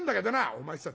「お前さん。